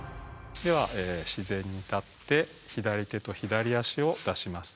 では自然に立って左手と左足を出します。